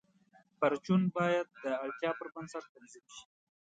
پرچون باید د اړتیا پر بنسټ تنظیم شي.